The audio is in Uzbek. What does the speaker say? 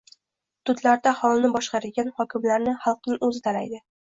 Hududlarda aholini boshqaradigan hokimlarni xalqning o‘zi tanlaydi